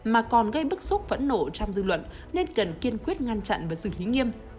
mà còn gây bức xúc phẫn nổ trong dư luận nên cần kiên quyết ngăn chặn và giữ hí nghiêm